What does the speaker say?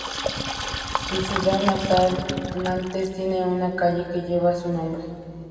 Su ciudad natal, Nantes, tiene una calle que lleva su nombre.